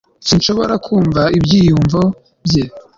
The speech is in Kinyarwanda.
sinshobora kumva ibyiyumvo bye